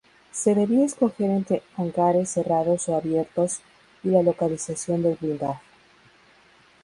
Se debía escoger entre hangares cerrados o abiertos y la localización del blindaje.